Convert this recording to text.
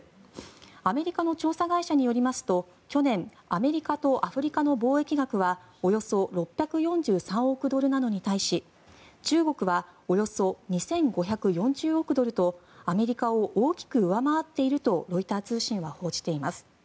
アメリカの調査会社によりますと去年アメリカとアフリカの貿易額はおよそ６４３億ドルなのに対し中国はおよそ２５４０億ドルとアメリカを大きく上回っているとロイター通信は報じています。